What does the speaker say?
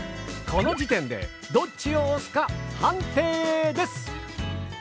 この時点でどっちを推すか判定です！